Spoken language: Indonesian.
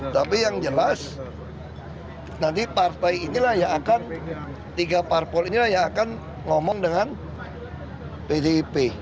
tapi yang jelas nanti partai ini lah yang akan tiga parpol ini lah yang akan ngomong dengan pdip